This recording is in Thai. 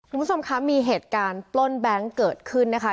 คุณผู้ชมคะมีเหตุการณ์ปล้นแบงค์เกิดขึ้นนะคะ